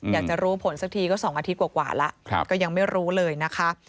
อยากจะรู้ผลสักทีก็๒อาทิตย์กว่าแล้วก็ยังไม่รู้เลยนะคะ